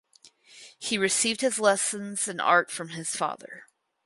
He received his lessons in art from his father.